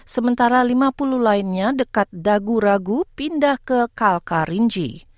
sementara lima puluh lainnya dekat daguragu pindah ke kalkarindji